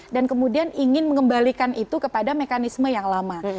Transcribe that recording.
dan kemudian ingin mengembalikan itu kepada mekanisme yang lama